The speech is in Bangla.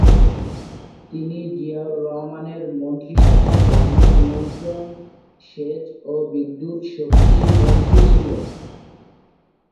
তিনি জিয়াউর রহমানের মন্ত্রিসভায় বন্যা নিয়ন্ত্রণ, সেচ ও বিদ্যুৎ শক্তি মন্ত্রী ছিলেন।